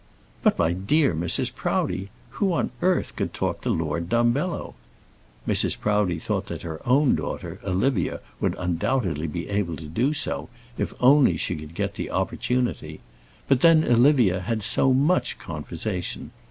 "But, my dear Mrs. Proudie, who on earth could talk to Lord Dumbello?" Mrs. Proudie thought that her own daughter Olivia would undoubtedly be able to do so, if only she could get the opportunity. But, then, Olivia had so much conversation.